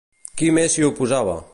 Qui més s'hi oposava?